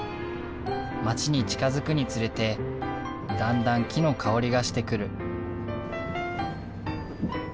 町に近づくにつれてだんだん木の香りがしてくる。